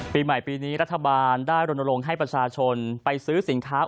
ปีใหม่ปีนี้รัฐบาลได้รณรงค์ให้ประชาชนไปซื้อสินค้า